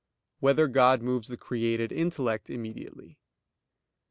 3] Whether God Moves the Created Intellect Immediately?